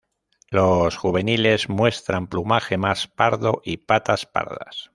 Los juveniles muestran plumaje más pardo y patas pardas.